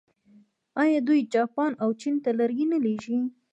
آیا دوی جاپان او چین ته لرګي نه لیږي؟